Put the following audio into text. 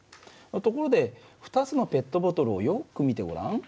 ところで２つのペットボトルをよく見てごらん。